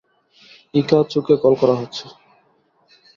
ইকা-চু কে কল করা হচ্ছে।